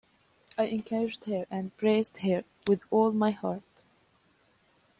I encouraged her and praised her with all my heart.